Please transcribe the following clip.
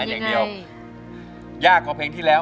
ไปยักษ์นานอย่างเดียวไปยักษ์นานอย่างเดียว